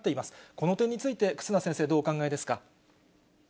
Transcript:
この点について忽那先生、どうお考えですか。